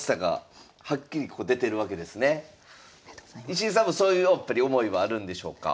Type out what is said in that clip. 石井さんもそういうやっぱり思いはあるんでしょうか？